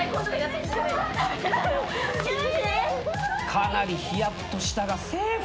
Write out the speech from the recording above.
かなりヒヤッとしたがセーフ。